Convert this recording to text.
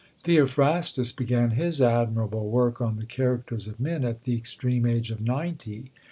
Theophrastus began his admirable work on the Characters of Men at the extreme age of ninety.